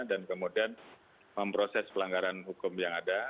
dan kemudian memproses pelanggaran hukum yang ada